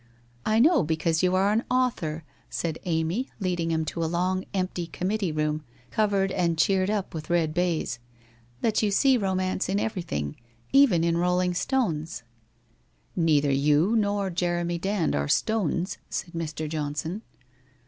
' I know because you are an author,' said Amy, leading hini to a long empty committee room covered and cheered up with red baize, ' that you see romance in everything, even in rolling stones/ ' Xeither you nor Jeremy Dand are stones,' said Mr. Johnson.